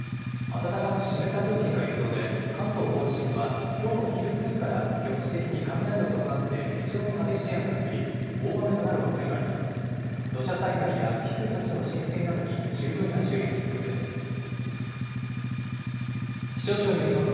暖かく湿った空気の影響で、関東甲信はきょうの昼過ぎから局地的に雷を伴って非常に激しい雨が降り、大雨となるおそれがあります。